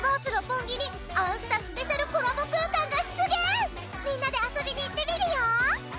続いてはみんなで遊びに行ってみるよ！